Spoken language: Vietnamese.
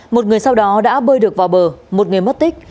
một người sau đó đã bơi được vào bờ một người mất tích